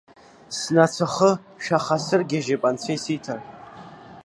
Снацәахы шәахасыргьежьып, анцәа исиҭар!